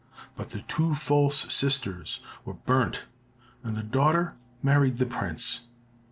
But the two false sisters were burnt, and the daughter married the prince.